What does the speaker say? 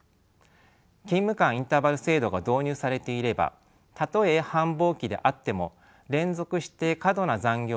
勤務間インターバル制度が導入されていればたとえ繁忙期であっても連続して過度な残業が続くことはなくなります。